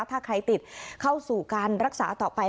ถ้าใครติดเข้าสู่การรักษาต่อไป